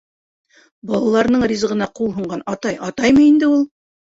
Балаларының ризығына ҡул һонған атай атаймы инде ул?